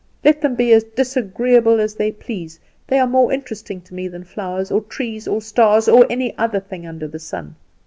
Let them be as disagreeable as they please, they are more interesting to me than flowers, or trees, or stars, or any other thing under the sun.